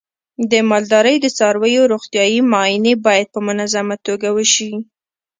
د مالدارۍ د څارویو روغتیايي معاینې باید په منظمه توګه وشي.